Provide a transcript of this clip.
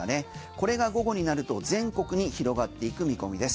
これが午後になると全国に広がっていく見込みです。